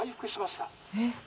えっ。